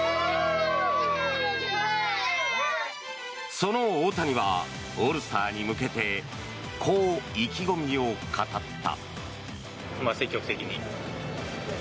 その大谷はオールスターに向けてこう意気込みを語った。